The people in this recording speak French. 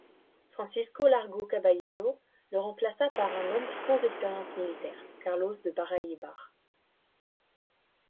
Francisco Largo Caballero le remplaça par un homme sans expérience militaire, Carlos de Baráibar.